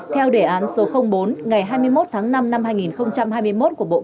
theo đề án số bốn ngày hai mươi một tháng năm năm hai nghìn hai mươi một của bộ